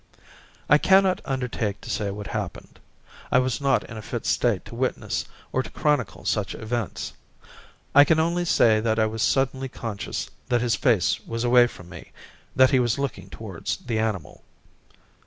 I cannot undertake to say what happened. I was not in a fit state to witness or to chronicle such events. I can only say that I was suddenly conscious that his face was away from me that he was looking towards the animal.